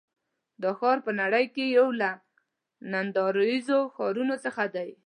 دا ښار په نړۍ کې یو له ناندرییزو ښارونو څخه دی.